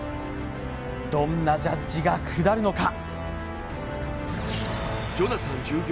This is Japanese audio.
どんなジャッジが下るのか？